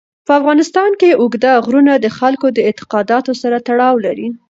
په افغانستان کې اوږده غرونه د خلکو د اعتقاداتو سره تړاو لري.